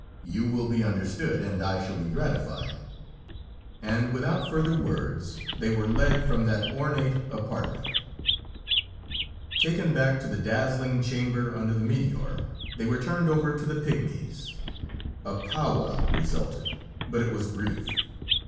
You will be understood, and I shall be gratified." And without further words, they were led from that ornate apartment. Taken back to the dazzling chamber under the meteor, they were turned over to the pigmies. A powwow resulted, but it was brief.